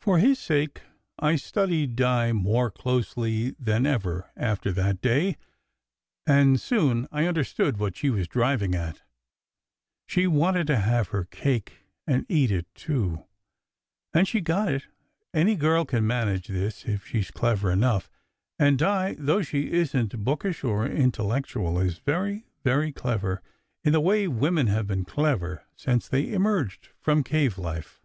For his sake, I studied Di more closely than ever, after that day, and soon I understood what she was driving at. She wanted to have her cake and eat it, too. And she got it. Any girl can manage this, if she is clever enough; and Di, though she isn t bookish or intellectual, is very, very clever in the way women have been clever since they emerged from cave life.